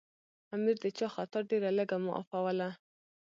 امیر د چا خطا ډېره لږه معافوله.